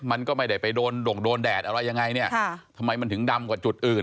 มันก็ไม่ได้ไปโดนด่งโดนแดดอะไรยังไงเนี่ยทำไมมันถึงดำกว่าจุดอื่น